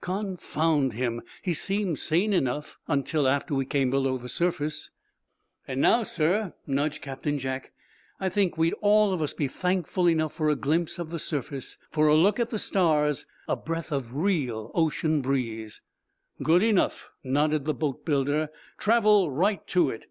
Confound him, he seemed sane enough until after we came below the surface." "And now, sir," nudged Captain Jack, "I think we'd all of us be thankful enough for a glimpse of the surface for a look at the stars a breath of real ocean breeze." "Good enough," nodded the boat builder. "Travel right to it!"